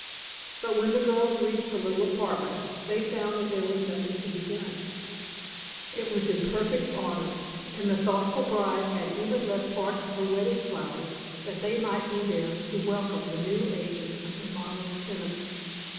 But when the girls reached the little apartment, they found that there was nothing to be done. It was in perfect order, and the thoughtful bride had even left part of her wedding flowers that they might be there to welcome the new agent of the model tenements.